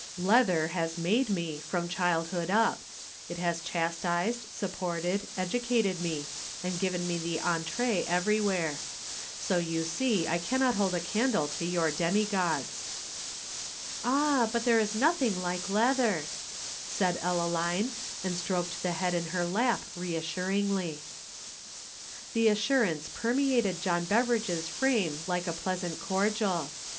"Leather has made me, from childhood up it has chastised, supported, educated me, and given me the entrée everywhere. So you see I cannot hold a candle to your demigods." "Ah, but there is nothing like leather," said Ellaline, and stroked the head in her lap reassuringly. The assurance permeated John Beveridge's frame like a pleasant cordial.